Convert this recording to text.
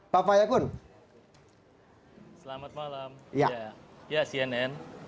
pak fayakun selamat malam ya cnn